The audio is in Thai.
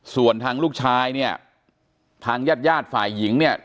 ส่วนทางลูกชายเนี่ยทางญาติญาติฝ่ายหญิงเนี่ย